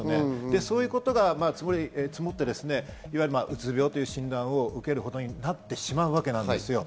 そういうことが積もり積もって、いわゆる、うつ病という診断を受けることになってしまうわけですよ。